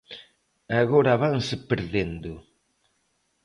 Agora vanse perdendo.